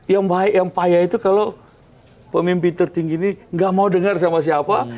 yang baik yang payah itu kalau pemimpin tertinggi ini gak mau dengar sama siapa